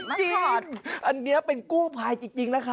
จริงอันนี้เป็นกู้ภัยจริงนะคะ